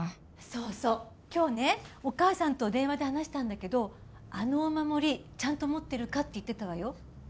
そうそう今日ねお母さんと電話で話したんだけどあのお守りちゃんと持ってるかって言ってたわよ